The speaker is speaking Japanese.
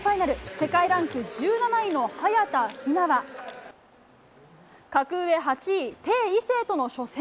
世界ランク１７位の早田ひなは格上８位、テイ・イセイとの初戦。